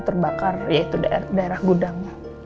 terbakar yaitu daerah gudang